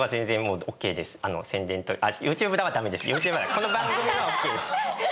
この番組ではＯＫです。